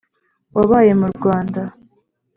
Wabaye mu Rwanda.